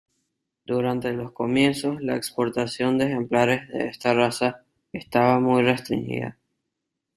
Durante los comienzos, la exportación de ejemplares de esta raza estaba muy restringida.